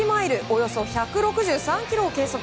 およそ１６３キロを計測。